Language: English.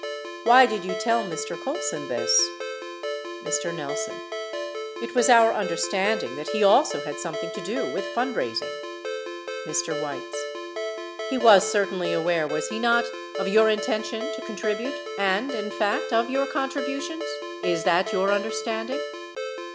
Why did you tell Mr. Colson this ? Mr. Nelson. It was our understanding that he also had something to do with fundraising. Mr. Weitz. He was certainly aware, was he not, of your intention to contribute and, in fact, of your contributions? Is that your understanding?